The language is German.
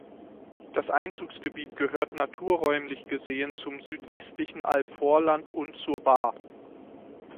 Das Einzugsgebiet gehört naturräumlich gesehen zum Südwestlichen Albvorland und zur Baar.